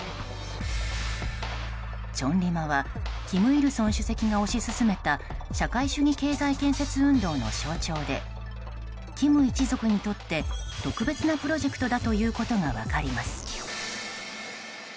チョンリマは金日成主席が推し進めた社会主義経済建設運動の象徴で金一族にとって特別なプロジェクトだということが分かります。